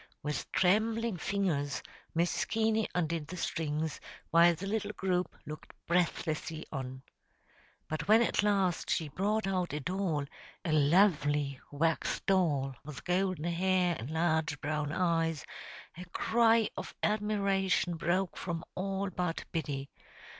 With trembling fingers Mrs. Keaney undid the strings, while the little group looked breathlessly on. But when at last she brought out a doll a lovely wax doll, with golden hair and large brown eyes a cry of admiration broke from all but Biddy.